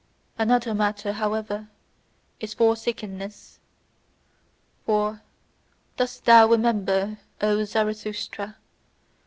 Another matter, however, is forsakenness. For, dost thou remember, O Zarathustra?